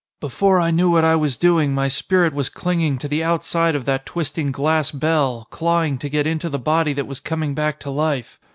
Before I knew what I was doing my spirit was clinging to the outside of that twisting glass bell, clawing to get into the body that was coming back to life!